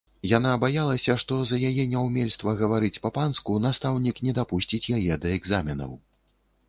Яна баялася, што за яе няўмельства гаварыць па-панску настаўнік не дапусціць яе да экзаменаў.